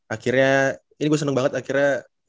akhirnya ini gue seneng banget akhirnya